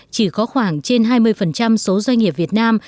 chỉ có khoảng trên hai mươi số doanh nghiệp việt nam